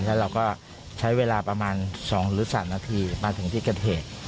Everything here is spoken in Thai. แล้วเราก็ใช้เวลาประมาณ๒หรือ๓นาทีมาถึงที่เกิดเหตุ